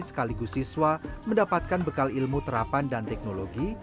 jika di pesantren santri juga mendapatkan bekal ilmu terapan dan teknologi